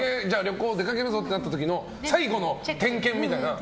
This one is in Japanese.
出かけるぞってなった時の最後の点検みたいな。